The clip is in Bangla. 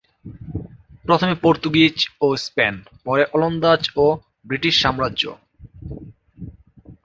প্রথমে পর্তুগীজ ও স্পেন পরে ওলন্দাজ ও ব্রিটিশ সাম্রাজ্য।